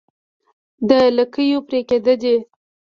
د لکيو پرې کېده دي